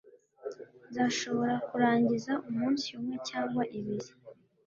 Nzashobora kurangiza umunsi umwe cyangwa ibiri.